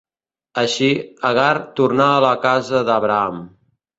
Així, Agar tornà a la casa d'Abraham.